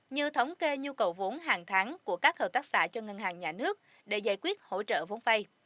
như thống kê nhu cầu vốn hàng tháng của các hợp tác xã cho ngân hàng nhà nước để giải quyết hỗ trợ vốn vay